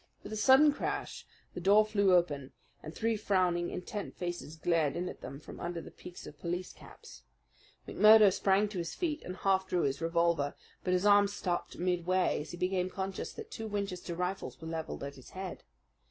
With a sudden crash the door flew open, and three frowning, intent faces glared in at them from under the peaks of police caps. McMurdo sprang to his feet and half drew his revolver; but his arm stopped midway as he became conscious that two Winchester rifles were levelled at his head.